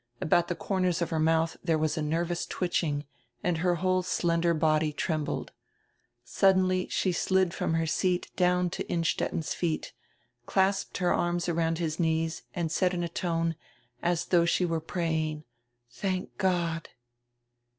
About the corners of her mouth there was a nervous twitching and her whole slender body trembled. Suddenly she slid from her seat down to Innstetten' s feet, clasped her arms around his knees and said in a tone, as though she were praying: "Thank God!"